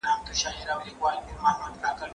زه به اوږده موده موټر کار کر وم،